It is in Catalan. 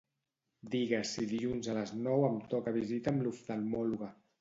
Digues si dilluns a les nou em toca visita amb l'oftalmòloga.